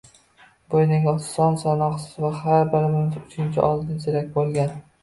Bo‘yniga son-sanoqsiz va har birining uchida oltin zirak bo‘lgan